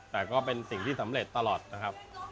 แต่ก็เป็นสิ่งที่สำเร็จตลอดนะครับ